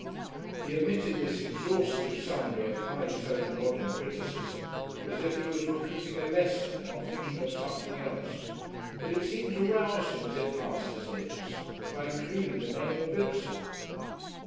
He emitted this exhaustive summary of high toned modern criticism as if he was repeating a lesson while thinking of something else, but it seemed to rouse him as it passed his lips, by including the name of Ibsen.